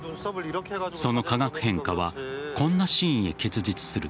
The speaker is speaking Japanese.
その化学変化はこんなシーンへ結実する。